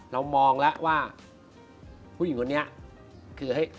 เรามองแล้วว่าผู้หญิงคนนี้คือเฮ้ย